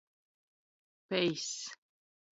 Peiss.